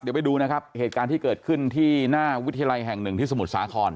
เดี๋ยวไปดูนะครับเหตุการณ์ที่เกิดขึ้นที่หน้าวิทยาลัยแห่งหนึ่งที่สมุทรสาคร